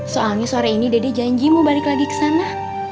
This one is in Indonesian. soalnya sore ini dede janjimu balik lagi ke sana